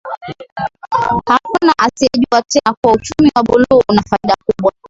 Hakuna asiyejua tena kuwa uchumi wa buluu una faida kubwa sana